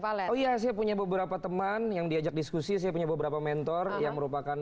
pale oh iya saya punya beberapa teman yang diajak diskusi saya punya beberapa mentor yang merupakan